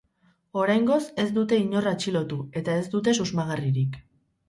Oraingoz ez dute inor atxilotu, eta ez dute susmagarririk.